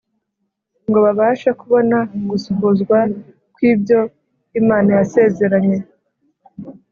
, ngo babashe kubona gusohozwa kw’ibyo Imana yasezeranye